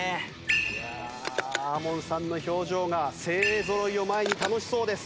いやＡＭＯＮさんの表情が精鋭ぞろいを前に楽しそうです。